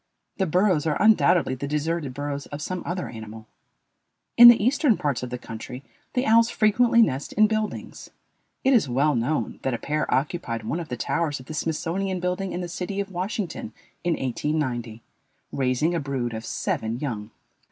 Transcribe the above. The burrows are undoubtedly the deserted burrows of some other animal. In the eastern parts of the country the owls frequently nest in buildings. It is well known that a pair occupied one of the towers of the Smithsonian building in the city of Washington in 1890, raising a brood of seven young.